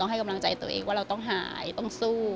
ให้กำลังใจตัวเองว่าเราต้องหายต้องสู้